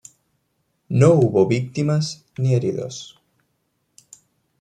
No hubo víctimas, ni heridos.